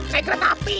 saya kereta api